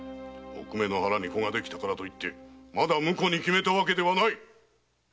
おくめに子ができたからといってまだ婿に決めたわけではない！